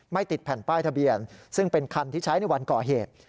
ติดแผ่นป้ายทะเบียนซึ่งเป็นคันที่ใช้ในวันก่อเหตุ